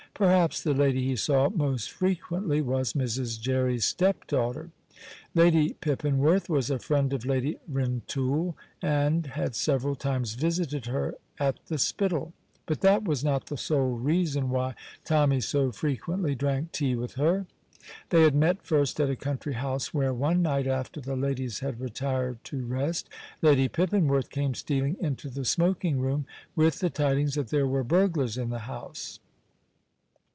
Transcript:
Perhaps the lady he saw most frequently was Mrs. Jerry's stepdaughter. Lady Pippinworth was a friend of Lady Rintoul, and had several times visited her at the Spittal, but that was not the sole reason why Tommy so frequently drank tea with her. They had met first at a country house, where, one night after the ladies had retired to rest, Lady Pippinworth came stealing into the smoking room with the tidings that there were burglars in the house.